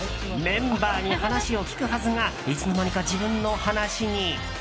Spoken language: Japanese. メンバーに話を聞くはずがいつの間にか自分の話に。